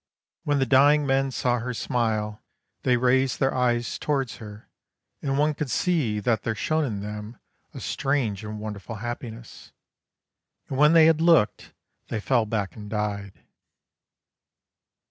When the dying men saw her smile they raised their eyes towards her, and one could see that there shone in them a strange and wonderful happiness. And when they had looked they fell back and died.